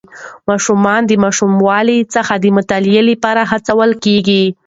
ماشومان د ماشوموالي څخه د مطالعې لپاره هڅول کېږي.